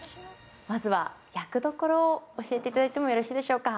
まずは役どころを教えていただいてもよろしいでしょうか。